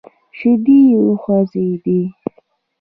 شونډې يې وخوځېدې.